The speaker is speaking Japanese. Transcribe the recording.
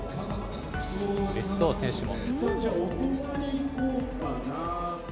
うれしそう、選手も。